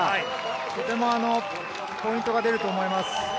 とてもポイントが出ると思います。